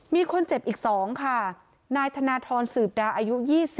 มีคนเจ็บอีก๒ค่ะนายธนทรสืบดาอายุ๒๐